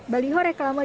baliho reklama dua g